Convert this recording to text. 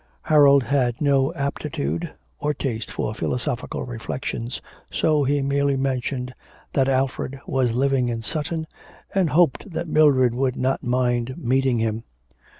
Harold had no aptitude or taste of philosophical reflections, so he merely mentioned that Alfred was living in Sutton, and hoped that Mildred would not mind meeting him.